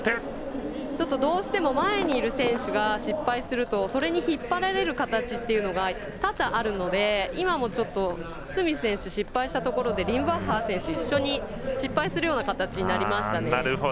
どうしても前にいる選手が失敗すると、それに引っ張られる形っていうのが多々あるので今も、スミス選手失敗したところでリムバッハー選手が一緒に失敗するような形になりましたね。